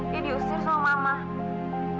dia diusir sama mama